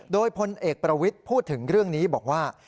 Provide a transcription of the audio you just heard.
โดยพลเอกประวิทย์พูดถึงเรื่องนี้บอกว่า